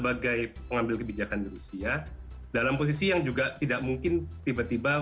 dan juga untuk mengambil kebijakan di rusia dalam posisi yang juga tidak mungkin tiba tiba mundur